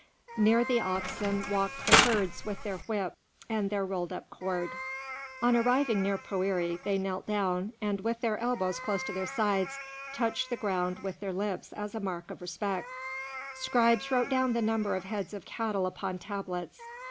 Near the oxen walked the herds with their whip and their rolled up cord. On arriving near Poëri they knelt down, and, with their elbows close to their sides, touched the ground with their lips as a mark of respect. Scribes wrote down the number of heads of cattle upon tablets.